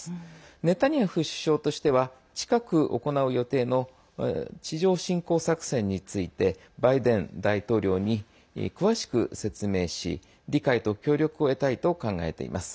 ネタニヤフ首相としては近く行う予定の地上侵攻作戦についてバイデン大統領に詳しく説明し理解と協力を得たいと考えています。